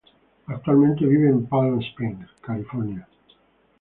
Actualmente vive en Palm Springs, California.